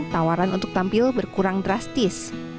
tawaran untuk tampil berkurang drastis